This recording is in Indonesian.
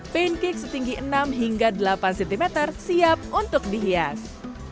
pancake setinggi enam hingga delapan cm siap untuk dihias